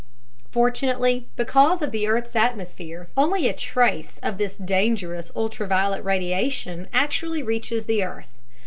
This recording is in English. Fortunately, because of the earth's atmosphere, only a trace of this dangerous ultraviolet radiation actually reaches the earth.